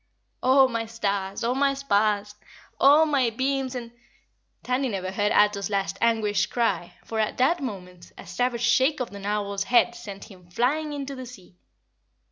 "Oh, my stars! Oh, my spars! Oh, my beams and " Tandy never heard Ato's last anguished cry, for at that moment a savage shake of the Narwhal's head sent him flying into the sea.